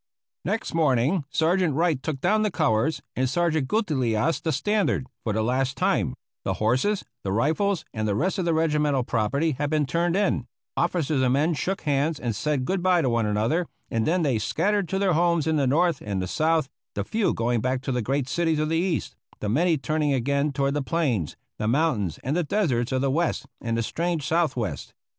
Next morning Sergeant Wright took down the colors, and Sergeant Guitilias the standard, for the last time; the horses, the rifles, and the rest of the regimental property had been turned in; officers and men shook hands and said good by to one another, and then they scattered to their homes in the North and the South, the few going back to the great cities of the East, the many turning again toward the plains, the mountains, and the deserts of the West and the strange Southwest.